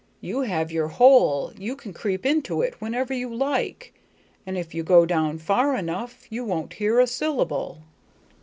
You have your hole, you can creep into it whenever you like, and if you go down far enough, you won't hear a syllable."